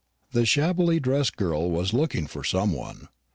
The shabbily dressed girl was looking for some one.